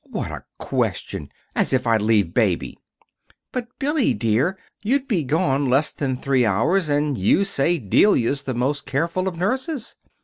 "What a question! As if I'd leave Baby!" "But, Billy, dear, you'd be gone less than three hours, and you say Delia's the most careful of nurses."